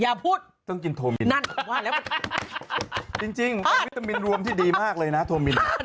อย่าพูดต้องกินโทมินจริงวิตามินรวมที่ดีมากเลยนะโทมิน